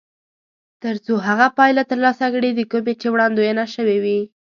تر څو هغه پایله ترلاسه کړي د کومې چې وړاندوينه شوې وي.